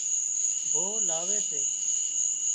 ڀوهه لاوي سي